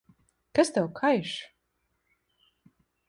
Kas tev kaiš?